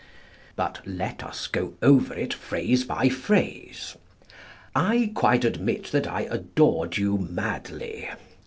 But let us go over it phrase by phrase. "I quite admit that I adored you madly."